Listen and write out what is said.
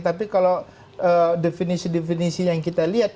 tapi kalau definisi definisi yang kita lihat